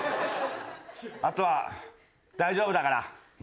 あとは大丈夫だから。